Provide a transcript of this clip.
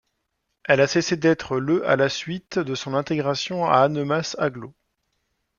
Elle a cessé d'être le à la suite de son intégration à Annemasse Agglo.